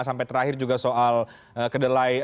sampai terakhir juga soal kedelai